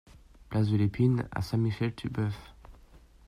Place de l'Epine à Saint-Michel-Tubœuf